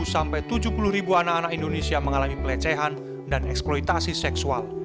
empat puluh sampai tujuh puluh anak anak indonesia mengalami pelecehan dan eksploitasi seksual